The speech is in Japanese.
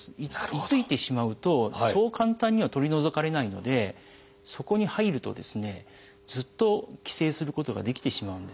居ついてしまうとそう簡単には取り除かれないのでそこに入るとですねずっと寄生することができてしまうんですね。